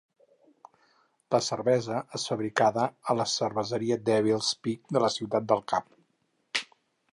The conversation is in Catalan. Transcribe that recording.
La cervesa és fabricada a la Cerveseria Devil 's Peak de Ciutat del Cap.